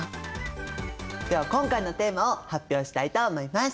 では今回のテーマを発表したいと思います。